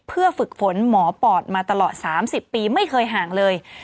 เพื่อฝึกฝนหมอปอดมาตลอด๓๐ปีไม่เคยห่างเลย